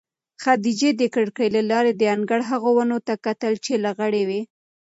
خدیجې د کړکۍ له لارې د انګړ هغو ونو ته کتل چې لغړې وې.